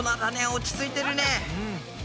落ち着いてるね。